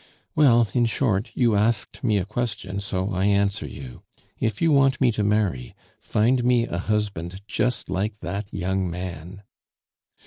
"Well, in short, you asked me a question, so I answer you. If you want me to marry, find me a husband just like that young man."